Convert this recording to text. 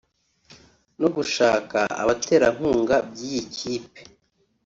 no gushaka abaterankunga by’iyi kipe